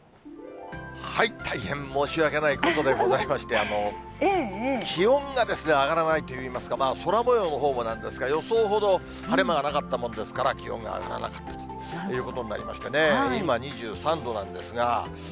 大変申し訳ないことでございまして、気温が上がらないといいますか、空もようのほうもなんですが、予想ほど晴れ間がなかったもんですから、気温が上がらなかったということになりましてね、今、２３度なんですが。